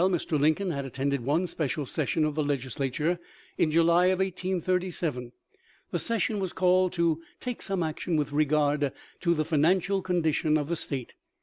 J v>Meart while Mr. Lincoln had attended one special session of the Legislature in July, 1837. The ses sion was called to take some action with regard to the financial condition of the State.